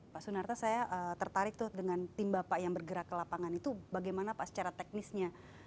pak sunarto saya tertarik tuh dengan tim bapak yang bergerak ke lapangan itu bagaimana pak secara teknisnya